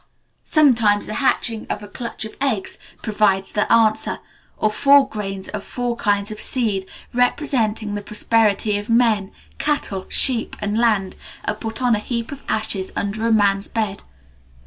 Sometimes the hatching of a clutch of eggs provides the answer, or four grains of four kinds of seed, representing the prosperity of men, cattle, sheep, and land, are put on a heap of ashes under a man's bed.